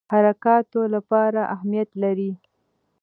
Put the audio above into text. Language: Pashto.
حرکاتو لپاره اهمیت لري.